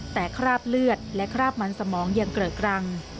แต่คราบเลือดและคราบมันสมองยังเกลอะกรัง